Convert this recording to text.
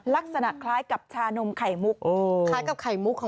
ลักษณะคล้ายกับชานมไข่มุก